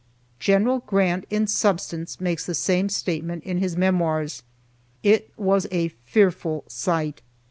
Gen. Grant, in substance, makes the same statement in his Memoirs. It was a fearful sight.